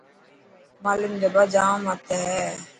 نمالم جبا جام مٿي هي.